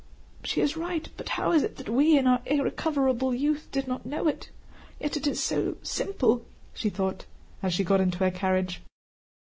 "She is right, but how is it that we in our irrecoverable youth did not know it? Yet it is so simple," she thought as she got into her carriage.